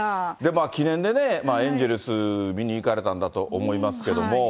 記念でエンジェルス見に行かれたんだと思いますけれども。